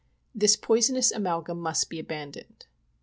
This poisonous amalgum must be abandoned.